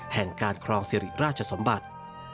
แห่งการครองสิริราชสมบัติ